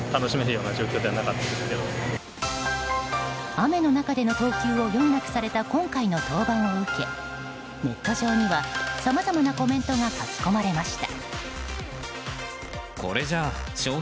雨の中での投球を余儀なくされた今回の登板を受け、ネット上にはさまざまなコメントが書き込まれました。